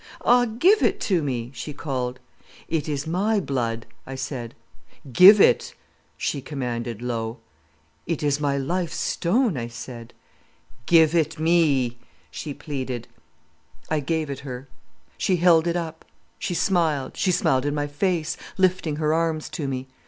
"'Ah, give it to me,' she called. "'It is my blood,' I said. "'Give it,' she commanded, low. "'It is my life stone,' I said. "'Give it me,' she pleaded. "'I gave it her. She held it up, she smiled, she smiled in my face, lifting her arms to me.